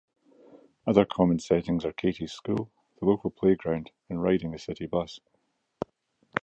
Other common settings are Katie's school, the local playground, and riding the city bus.